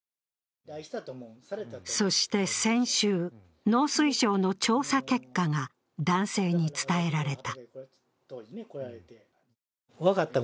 そして先週、農林水産省の調査結果が男性に伝えられた。